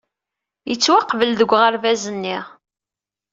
Yettwaqbel deg uɣerbaz-nni.